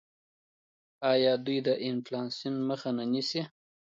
آیا دوی د انفلاسیون مخه نه نیسي؟